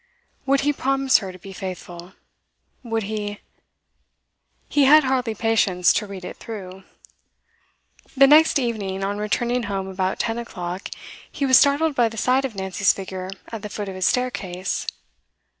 Would he promise her to be faithful? Would he He had hardly patience to read it through. The next evening, on returning home about ten o'clock, he was startled by the sight of Nancy's figure at the foot of his staircase.